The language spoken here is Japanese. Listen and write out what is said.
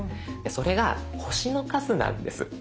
それが星の数なんです。